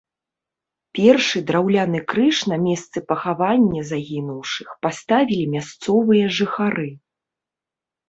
Першы драўляны крыж на месцы пахавання загінуўшых паставілі мясцовыя жыхары.